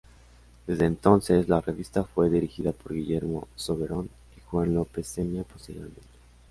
Desde entonces, la revista fue dirigida por Guillermo Soberón y Juan López Seña posteriormente.